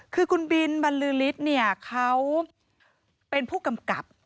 คือคุณบินบรรลือฤทธิ์เนี่ยเขาเป็นผู้กำกับ